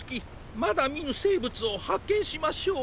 まだみぬせいぶつをはっけんしましょう。